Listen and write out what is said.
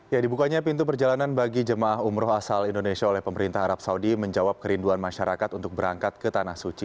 ya dibukanya pintu perjalanan bagi jemaah umroh asal indonesia oleh pemerintah arab saudi menjawab kerinduan masyarakat untuk berangkat ke tanah suci